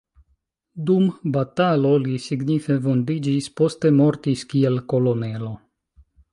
Dum batalo li signife vundiĝis, poste mortis kiel kolonelo.